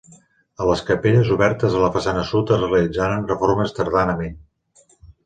A les capelles obertes a la façana sud es realitzaren reformes tardanament.